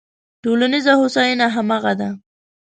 ټولنیزه هوساینه همغه ده.